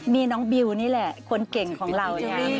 มีน้องบิวนี่แหละคนเก่งของเราไง